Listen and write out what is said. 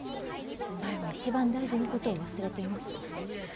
お前は一番大事なことを忘れています。